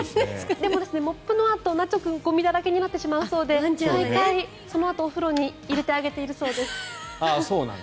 モップのあと、ナチョ君ゴミだらけになってしまうそうでそのあと、お風呂に入れてあげているそうです。